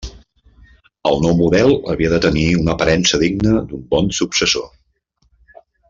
El nou model havia de tenir una aparença digna d'un bon successor.